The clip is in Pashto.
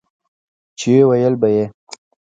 چې وييل به يې